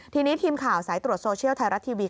ทีนี้ทีมข่าวสายตรวจโซเชียลไทยรัฐทีวี